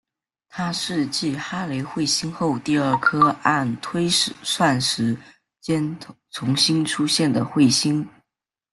它是继哈雷彗星后第二颗按推算时间重新出现的彗星。